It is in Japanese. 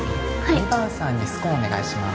２番さんにスコーンお願いします